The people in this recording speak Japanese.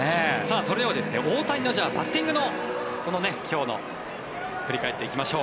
それでは大谷のバッティングの今日を振り返っていきましょう。